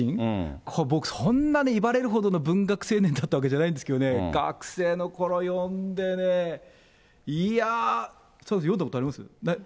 これ、僕そんなに言われるほどの文学青年だったわけじゃないんですけどね、学生のころ、読んでね、いやー、澤口さん、読んだことあります？